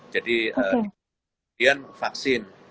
jadi kemudian vaksin